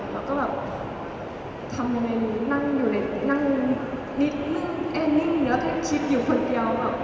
แล้วก็ทำยังไงหนึ่งนั่งอยู่ในนิ่งแล้วก็ยังคิดอยู่คนเดียว